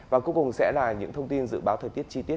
và cuối cùng sẽ là những thông tin dự báo thời tiết chi tiết